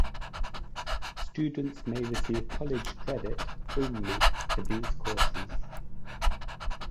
Students may receive college credit only for these courses.